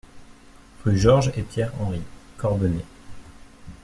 Rue Georges et Pierre Henry, Corbenay